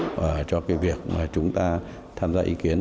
có những cơ sở tham chiếu cho việc chúng ta tham gia ý kiến